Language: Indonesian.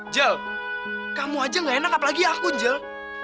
jel kamu aja gak nangkap lagi aku jel